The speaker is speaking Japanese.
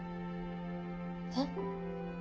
えっ？